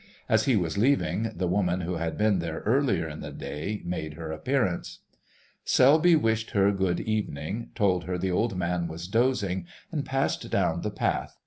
As he was leaving, the woman who had been there earlier in the day made her appearance. Selby wished her good evening, told her the old man was dozing, and passed down the path.